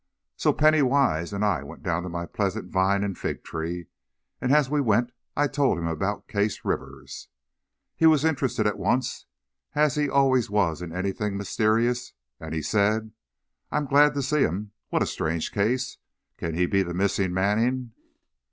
So Penny Wise and I went down to my pleasant vine and figtree, and as we went, I told him about Case Rivers. He was interested at once, as he always was in anything mysterious, and he said, "I'm glad to see him. What a strange case! Can he be the missing Manning?"